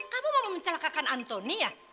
kamu mau mencelakakan antoni ya